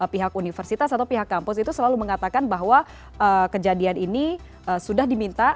pihak universitas atau pihak kampus itu selalu mengatakan bahwa kejadian ini sudah diminta